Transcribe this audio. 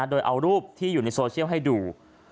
โดยเอารูปที่อยู่ในโซเชียลให้ดู